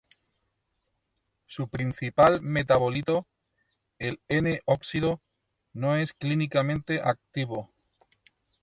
Su principal metabolito, el N-óxido, no es clínicamente activo.